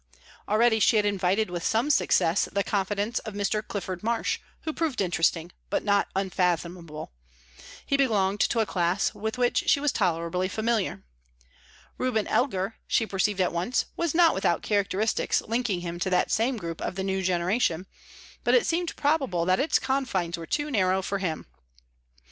Already she had invited with some success the confidence of Mr. Clifford Marsh, who proved interesting, but not unfathomable; he belonged to a class with which she was tolerably familiar. Reuben Elgar, she perceived at once, was not without characteristics linking him to that same group of the new generation, but it seemed probable that its confines were too narrow for him.